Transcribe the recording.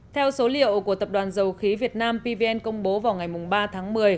theo số liệu của tập đoàn dầu khí việt nam pvn công bố vào ngày ba tháng một mươi